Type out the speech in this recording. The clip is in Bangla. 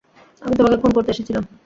আমি তোমাকে খুন করতে এসেছিলাম।